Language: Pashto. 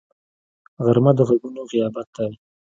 غرمه د غږونو غیابت دی